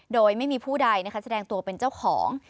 โดยไม่มีผู้ใดแสดงตัวเป็นเจ้าของ